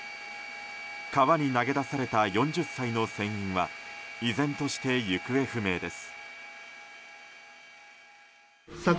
川に投げ出された４０歳の船員は依然として行方不明です。